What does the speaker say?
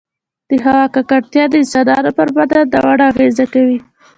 د هـوا ککـړتيـا د انسـانـانو پـر بـدن نـاوړه اغـېزه کـوي